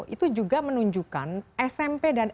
itu juga menunjukkan smp dan s